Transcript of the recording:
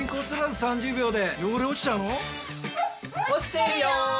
落ちてるよ！